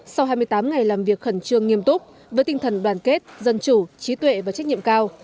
sau hai mươi tám ngày làm việc khẩn trương nghiêm túc với tinh thần đoàn kết dân chủ trí tuệ và trách nhiệm cao